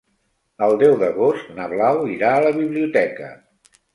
El deu d'agost na Blau irà a la biblioteca.